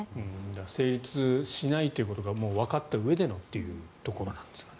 成立しないということがわかったうえでのということなんですかね。